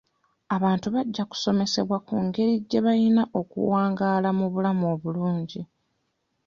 Abantu bajja kusomesebwa ku ngeri gye balina okuwangaala mu bulamu obulungi.